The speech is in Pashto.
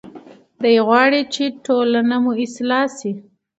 دی غواړي چې ټولنه مو اصلاح شي.